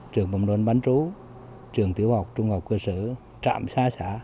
trường phòng đoàn bán trú trường tiểu học trung học cơ sở trạm xa xã